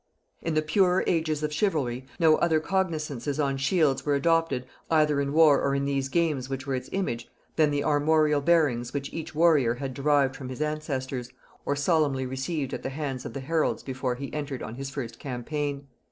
In the purer ages of chivalry, no other cognisances on shields were adopted, either in war or in these games which were its image, than the armorial bearings which each warrior had derived from his ancestors, or solemnly received at the hands of the heralds before he entered on his first campaign.